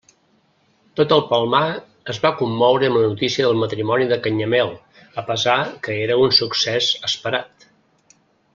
Tot el Palmar es va commoure amb la notícia del matrimoni de Canyamel a pesar que era un succés esperat.